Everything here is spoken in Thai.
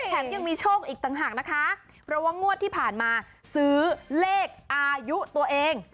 ยังมีโชคอีกต่างหากนะคะเพราะว่างวดที่ผ่านมาซื้อเลขอายุตัวเอง